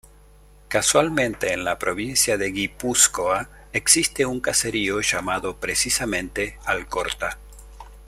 Casualmente en la provincia de Guipúzcoa existe un caserío llamado precisamente "Alcorta".